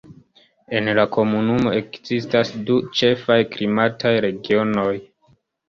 En la komunumo ekzistas du ĉefaj klimataj regionoj.